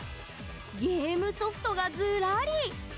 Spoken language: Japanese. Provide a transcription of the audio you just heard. ゲームソフトが、ずらり！